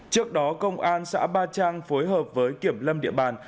trước đó công an xã ba trang phối hợp với kiểm lâm địa bàn